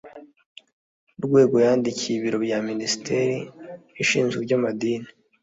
rwego yandikiye ibiro bya Minisiteri Ishinzwe iby Amadini